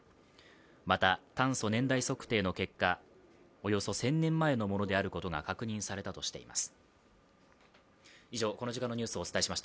また、炭素年代測定の結果、およそ１０００年前のものであることが確認されたとしています。